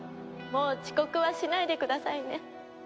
もう遅刻はしないでくださいね。